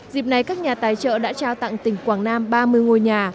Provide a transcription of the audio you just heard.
dịp này các nhà tài trợ đã trao tặng tỉnh quảng nam ba mươi ngôi nhà